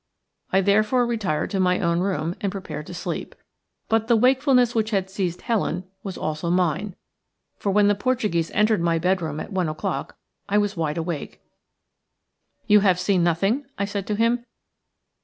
I therefore retired to my own room and prepared to sleep. But the wakefulness which had seized Helen was also mine, for when the Portuguese entered my bedroom at one o'clock I was wide awake. "You have seen nothing?" I said to him.